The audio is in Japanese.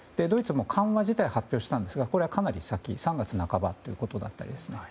ドイツも緩和自体は発表したんですがこれはかなり先３月半ばということです。